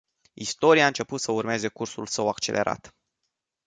Istoria a început să urmeze cursul său accelerat.